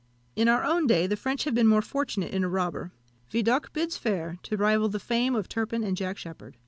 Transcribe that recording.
In our own day the French have been more fortunate in a robber; Vidocq bids fair to rival the fame of Turpin and Jack Sheppard.